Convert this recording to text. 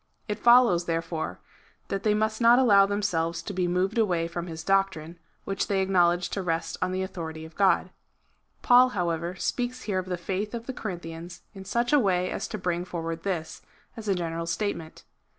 It follows, therefore, that they must not allow themselves to be moved away from his doctrine, which they acknowledge to rest on the authority of God. Paul, however, speaks here of the faith of the Corinthians in such a way as to bring forward this, as a general statement.